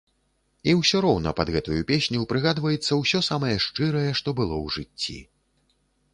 І ўсё роўна пад гэтую песню прыгадваецца ўсё самае шчырае, што было ў жыцці.